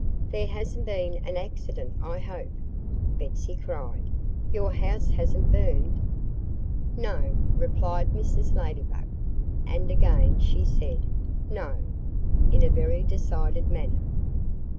"There hasn't been an accident, I hope!" Betsy cried. "Your house hasn't burned?" "No!" replied Mrs. Ladybug. And again she said, "No!" in a very decided manner.